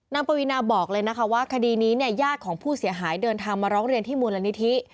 ปวีนาบอกเลยนะคะว่าคดีนี้เนี่ยญาติของผู้เสียหายเดินทางมาร้องเรียนที่มูลนิธิ